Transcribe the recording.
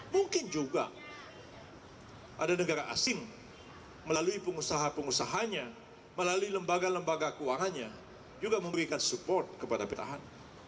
mungkin juga ada negara asing melalui pengusaha pengusahanya melalui lembaga lembaga keuangannya juga memberikan support kepada petahan